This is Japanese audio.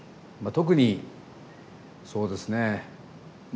特にそうですね